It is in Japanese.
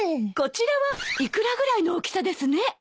こちらはイクラぐらいの大きさですね。